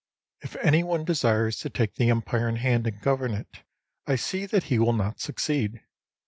If any one desires to take the Empire in hand and govern it, I see that he will not succeed.